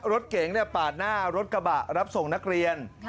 รถเก๋งปาดหน้ารถกระบะรับส่งนักเรียน